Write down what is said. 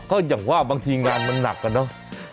ก็อย่างว่าบางทีงานมันหนักอะเนาะ